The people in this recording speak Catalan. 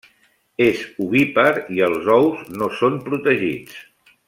És ovípar i els ous no són protegits.